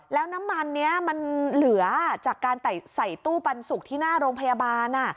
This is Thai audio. แล้วน้ำมันนี้มันเหลือจากการใส่ตู้ปันสุกที่หน้าโรงพยาบาล